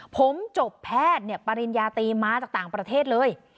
ผมจบแพทย์ปริญญาตรีมาจากต่างประเทศเลย